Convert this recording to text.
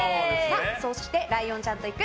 そして、ライオンちゃんと行く！